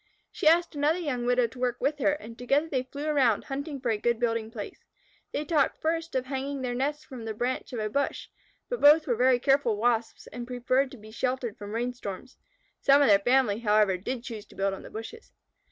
She asked another young widow to work with her, and together they flew around hunting for a good building place. They talked first of hanging their nest from the branch of a bush, but both were very careful Wasps and preferred to be sheltered from rain storms. (Some of their family, however, did choose to build on bushes).